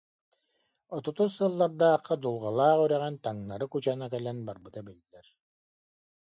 Отутус сыллардаахха Дулҕалаах үрэҕин таҥнары Кучана кэлэн барбыта биллэр